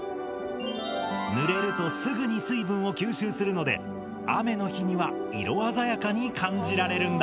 ぬれるとすぐに水分を吸収するので雨の日には色鮮やかに感じられるんだ。